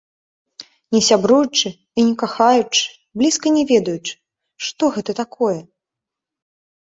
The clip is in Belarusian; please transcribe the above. Не сябруючы і не кахаючы, блізка не ведаючы, што гэта такое.